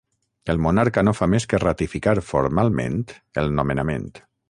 El monarca no fa més que ratificar formalment el nomenament.